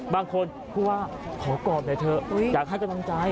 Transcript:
บางคนพูดว่าขอกอดหน่อยเถอะอยากให้กำลังใจ